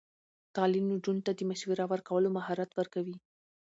تعلیم نجونو ته د مشاوره ورکولو مهارت ورکوي.